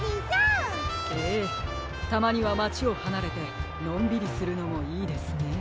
たまにはまちをはなれてのんびりするのもいいですね。